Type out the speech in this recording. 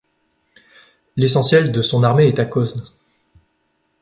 L'essentiel de son armée est à Cosne.